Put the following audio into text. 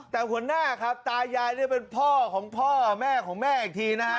แต่หัวหน้าครับตายายเนี่ยเป็นพ่อของพ่อแม่ของแม่อีกทีนะฮะ